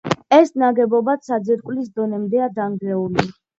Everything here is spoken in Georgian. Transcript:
ეს ნაგებობაც საძირკვლის დონემდეა დანგრეული.